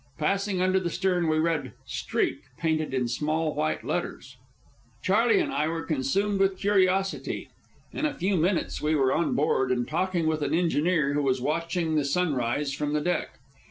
Passing under the stern, we read Streak, painted in small white letters. Charley and I were consumed with curiosity. In a few minutes we were on board and talking with an engineer who was watching the sunrise from the deck.